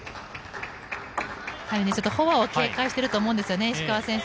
フォアを警戒していると思うんですよね、石川選手。